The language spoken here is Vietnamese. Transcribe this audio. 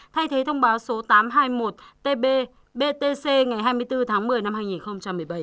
thay thế thông báo số tám trăm hai mươi một tb btc ngày hai mươi bốn tháng một mươi năm hai nghìn một mươi bảy